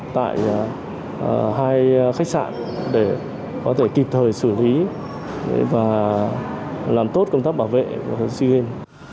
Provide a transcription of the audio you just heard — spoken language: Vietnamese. tại hai khách sạn để có thể kịp thời xử lý và làm tốt công tác bảo vệ của sea games